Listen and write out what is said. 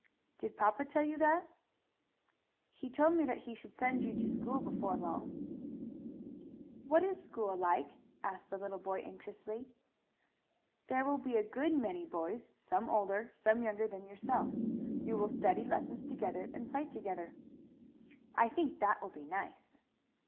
"Did papa tell you that?" "He told me that he should send you to school before long." "What is a school like?" asked the little boy anxiously. "There will be a good many boys, some older, some younger than yourself. You will study lessons together and play together." "I think that will be nice."